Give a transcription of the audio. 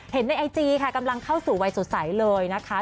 ในไอจีค่ะกำลังเข้าสู่วัยสดใสเลยนะคะ